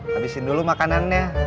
habisin dulu makanannya